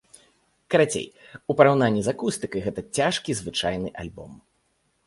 Карацей, у параўнанні з акустыкай гэта цяжкі звычайны альбом.